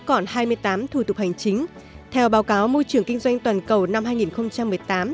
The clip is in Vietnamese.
còn hai mươi tám thủ tục hành chính theo báo cáo môi trường kinh doanh toàn cầu năm hai nghìn một mươi tám